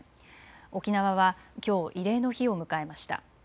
沖縄はきょう、慰霊の日を迎えました。